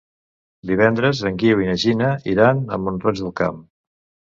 Divendres en Guiu i na Gina iran a Mont-roig del Camp.